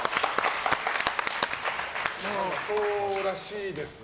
そうらしいですね。